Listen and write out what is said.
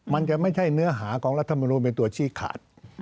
มันจะไม่ใช่เนื้อหาของรัฐมนุนเป็นตัวชี้ขาด